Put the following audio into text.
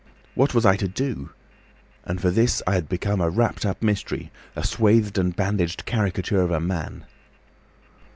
What was I to do? And for this I had become a wrapped up mystery, a swathed and bandaged caricature of a man!"